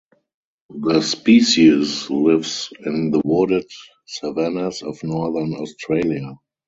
The species lives in the wooded savannas of northern Australia.